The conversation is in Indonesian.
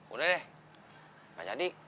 udah deh gak jadi